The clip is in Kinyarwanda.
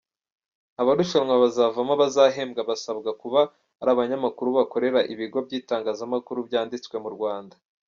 Abarushanwa bazavamo abazahembwa basabwa kuba ari abanyamakuru bakorera ibigo by’itangazamakuru byanditswe mu Rwanda.